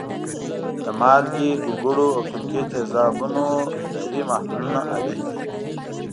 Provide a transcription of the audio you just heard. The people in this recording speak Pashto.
د مالګې، ګوګړو او سرکې تیزابونو نری محلولونه اړین دي.